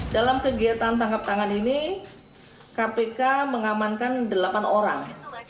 dalam kegiatan tangkap tangan ini kpk mengamankan delapan orang